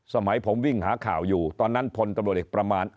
สมัยผมวิ่งหาข่าวอยู่ตอนนั้นพลตำรวจเอกประมาณ